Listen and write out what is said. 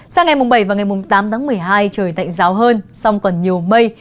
sang ngày bảy và ngày tám tháng một mươi hai trời tạnh ráo hơn song còn nhiều mây